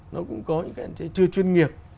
nó cũng có những hạn chế chưa chuyên nghiệp